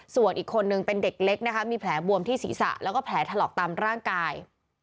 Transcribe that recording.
ส่วนอีกคนนึงเป็นเด็กเล็กนะคะมีแผลบวมที่ศีรษะแล้วก็แผลถลอกตามร่างกาย